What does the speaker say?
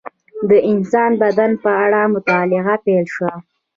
د انسان د بدن په اړه مطالعه پیل شوه.